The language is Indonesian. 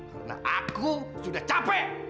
karena aku sudah capek